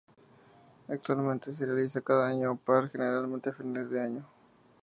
Actualmente se realiza cada año par: generalmente a finales de año.